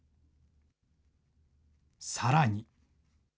さらに。